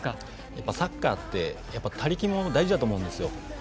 やっぱりサッカーって他力も大事だと思うんです。